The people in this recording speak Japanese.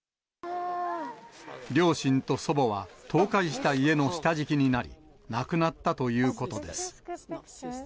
両親と祖母は、倒壊した家の下敷きになり、亡くなったということです。